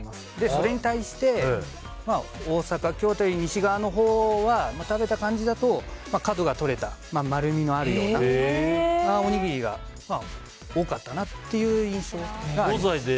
それに対して大阪、京都より西側のほうは食べた感じだと、角が取れた丸みのあるようなおにぎりが多かったなという印象があります。